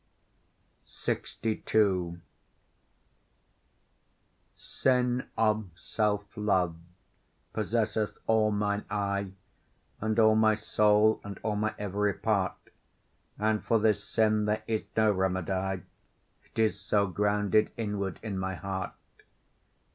LXII Sin of self love possesseth all mine eye And all my soul, and all my every part; And for this sin there is no remedy, It is so grounded inward in my heart.